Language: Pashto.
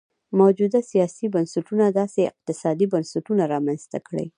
موجوده سیاسي بنسټونو داسې اقتصادي بنسټونه رامنځته کړي.